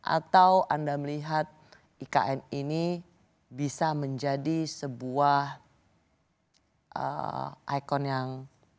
atau anda melihat ikn ini bisa menjadi sebuah ikon yang